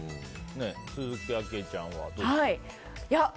鈴木あきえちゃんはどうですか。